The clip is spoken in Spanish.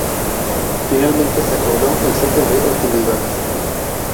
Finalmente se acordó el cese de hostilidades.